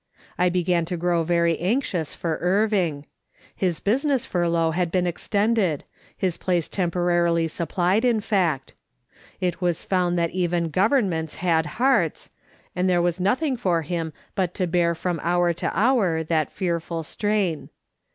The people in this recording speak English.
I began to grow very anxious for Irving. His business furlough had been extended ; his place temporarily supplied, in fact. It was found that even governments had hearts, and there was nothing for him but to bear from hour to hour that fearful strain.